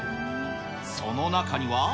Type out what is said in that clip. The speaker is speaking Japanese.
その中には。